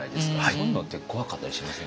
そういうのって怖かったりしません？